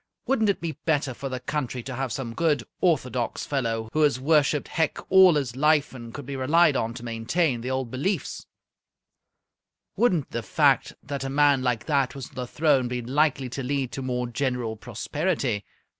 Wouldn't it be better for the country to have some good orthodox fellow who has worshipped Hec all his life, and could be relied on to maintain the old beliefs wouldn't the fact that a man like that was on the throne be likely to lead to more general prosperity?